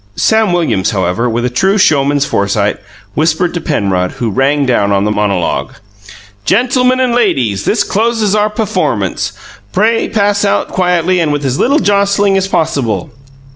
Sam Williams, however, with a true showman's foresight, whispered to Penrod, who rang down on the monologue. "GEN til mun and LAY deeze, this closes our pufformance. Pray pass out quietly and with as little jostling as possible.